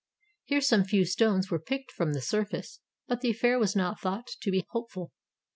Here some few stones were picked from the surface, but the affair was not thought to be hopeful.